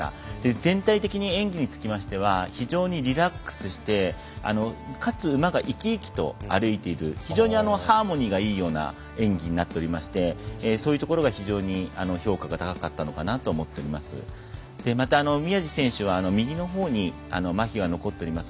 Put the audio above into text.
全体的に演技につきましては非常にリラックスしてかつ、馬が生き生きと歩いている非常にハーモニーがいいような演技になっていましてそういうところが非常に評価が高かったのかなと思っています。